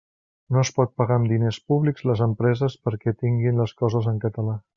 No es pot pagar amb diners públics les empreses perquè tinguin les coses en català.